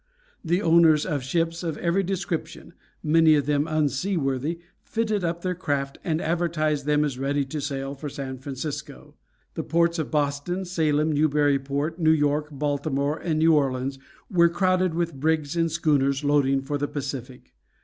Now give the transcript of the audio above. The owners of ships of every description, many of them unseaworthy, fitted up their craft, and advertised them as ready to sail for San Francisco. The ports of Boston, Salem, Newburyport, New York, Baltimore, and New Orleans were crowded with brigs and schooners loading for the Pacific.